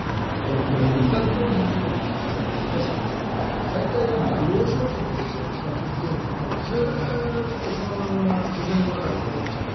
でも、味覚を変えるって実は難しくて大体幼少期の時の味覚っていうのがもうずっとそのまま自分の中に残っちゃうので。